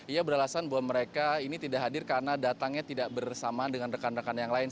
ia beralasan bahwa mereka ini tidak hadir karena datangnya tidak bersama dengan rekan rekan yang lain